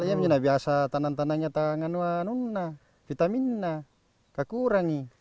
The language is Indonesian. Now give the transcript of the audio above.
seharga yang biasa tanam tanamnya tidak ada vitamin tidak kurang